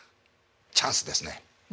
チャンスですね。